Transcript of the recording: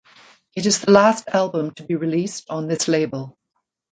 It is the last album to be released on this label.